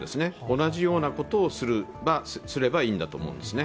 同じようなことをすればいいんだと思うんですね。